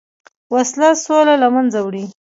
وسله سوله له منځه وړي